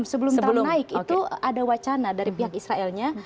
sebelum tahun naik itu ada wacana dari pihak israelnya